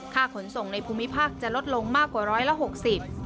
ค่าขนส่งในภูมิภาคจะลดลงมากกว่า๑๖๐บาท